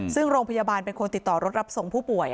ซึ่งโรงพยาบาลเป็นคนติดต่อรถรับส่งผู้ป่วย